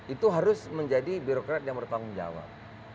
itu harus menjadi birokrat yang bertanggung jawab